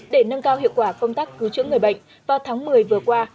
để nâng cao hiệu quả công tác cứu chữa người bệnh vào tháng một mươi vừa qua